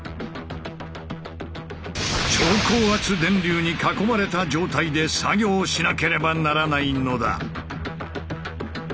超高圧電流に囲まれた状態で作業しなければならないのだ。